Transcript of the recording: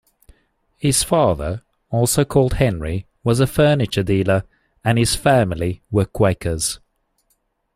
His father, also called Henry, was a furniture dealer, and his family were Quakers.